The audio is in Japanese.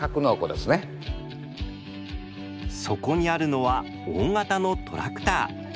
そこにあるのは大型のトラクター。